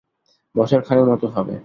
বছরখানেকের মত হবে।